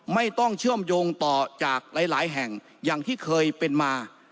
ไม่ต้องเชื่อมโยงต่อจากหลายแห่งอย่างที่เคยเป็นมา